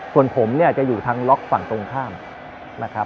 ส่วนผมเนี่ยจะอยู่ทางล็อกฝั่งตรงข้ามนะครับ